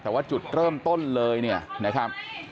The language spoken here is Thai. แต่ว่าจุดเริ่มต้นเลยเนี่ยนะครับ